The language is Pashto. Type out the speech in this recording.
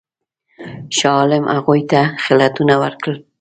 شاه عالم هغوی ته خلعتونه ورکړل.